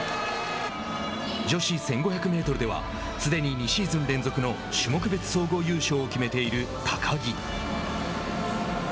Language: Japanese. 女子１５００メートルではすでに２シーズン連続の種目別総合優勝を決めている高木。